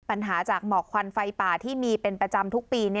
ปัญหาจากหมอกควันไฟป่าที่มีเป็นประจำทุกปี